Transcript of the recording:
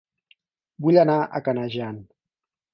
Vull anar a Canejan